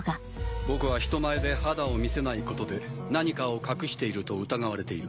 僕は人前で肌を見せないことで何かを隠していると疑われている。